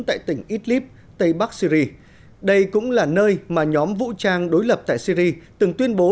tại tỉnh idlib tây bắc syri đây cũng là nơi mà nhóm vũ trang đối lập tại syri từng tuyên bố